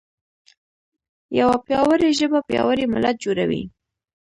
یوه پیاوړې ژبه پیاوړی ملت جوړوي.